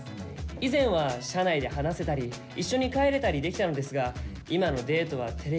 以前は社内で話せたり一緒に帰れたり出来たのですがいまのデートはテレビであ。